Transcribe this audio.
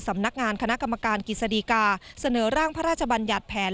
สำนักงานคณะกรรมการกิจสดีกาเสนอร่างพระราชบัญญัติแผน